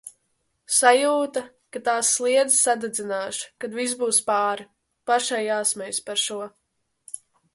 Sajūta, ka tās sliedes sadedzināšu, kad viss būs pāri. Pašai jāsmejas par šo.